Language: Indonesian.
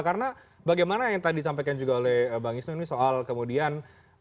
karena bagaimana yang tadi disampaikan juga oleh bang isno ini soal kemudian